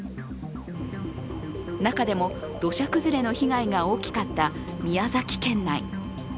中でも土砂崩れの被害が大きかった宮崎県内。